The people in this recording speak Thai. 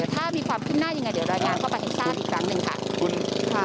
ถ้ามีความขึ้นหน้ายังไงเดี๋ยวรายงานเข้าไปให้ทราบอีกครั้งหนึ่งค่ะ